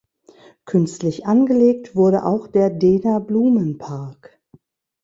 Künstlich angelegt wurde auch der Dehner-Blumen-Park.